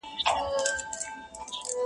یار ګیله من له دې بازاره وځم,